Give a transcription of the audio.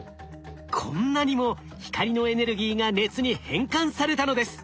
こんなにも光のエネルギーが熱に変換されたのです。